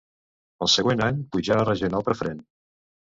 El següent any pujà a regional preferent.